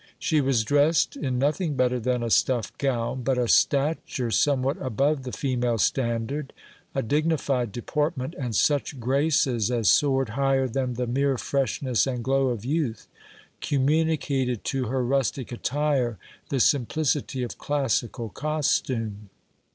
She was dressed in nothing better than a stuff gown ; but a stature somewhat above the female standard, a dignified deportment, and such graces as soared higher than the mere freshness and glow of youth, communicated to her rustic attire the sim plicity of classical costume.